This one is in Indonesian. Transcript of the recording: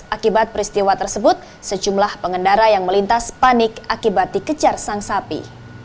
akibat peristiwa tersebut sejumlah pengendara yang melintas panik akibat dikejar sang sapi